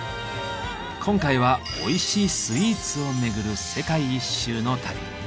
今回はおいしいスイーツを巡る世界一周の旅。